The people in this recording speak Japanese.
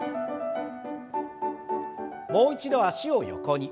もう一度脚を横に。